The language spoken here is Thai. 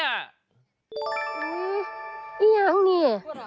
อ้ายังเนี่ย